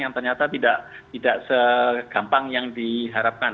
yang ternyata tidak segampang yang diharapkan